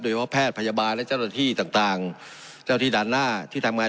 ว่าแพทย์พยาบาลและเจ้าหน้าที่ต่างเจ้าที่ด่านหน้าที่ทำงาน